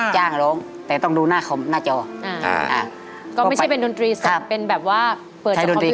จ้างแล้วแต่ต้องดูหน้าคอมหน้าจอก็ไม่ใช่เป็นดนตรีสิเป็นแบบว่าเปิดจากคอมพิวเตอร์